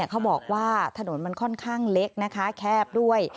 เขาบอกว่าถนนมันค่อนข้างเล็กนะคะแคบด้วย